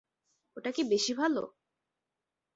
ওটা কি বেশি ভালো?